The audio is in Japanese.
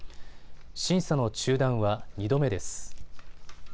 審査の中断は２度目です。